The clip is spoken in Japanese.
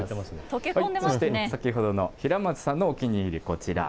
そして先ほどの平松さんのお気に入り、こちら。